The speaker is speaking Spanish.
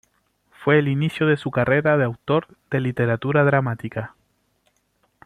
Fue el inicio de su carrera de autor de literatura dramática.